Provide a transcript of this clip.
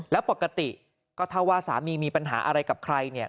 แล้วปกติก็เท่าว่าสามีมีปัญหาอะไรกับใครเนี่ย